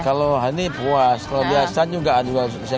kalau ini puas kalau biasa juga ada yang nggak puasnya saya